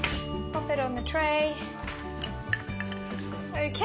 ＯＫ。